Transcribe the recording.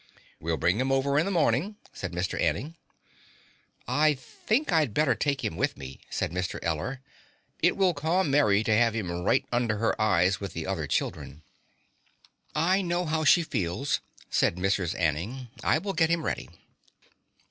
"We'll bring him over in the morning," said Mr. Anning. "I think I'd better take him with me," said Mr. Eller. "It will calm Mary to have him right under her eyes with the other children." "I know how she feels," said Mrs. Anning. "I will get him ready."